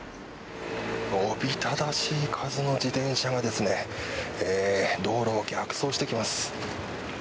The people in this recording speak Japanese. おびただしい数の自転車が道路を逆走してきます。